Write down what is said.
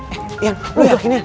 eh ian lu jatuhin ian